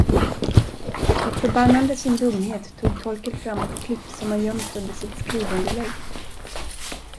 Förbannande sin dumhet tog Torkel fram ett klipp som han gömt under sitt skrivunderlägg.